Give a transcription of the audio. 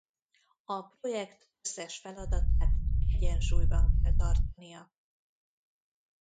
A projekt összes feladatát egyensúlyban kell tartania.